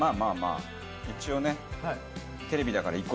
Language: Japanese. あ一応ね。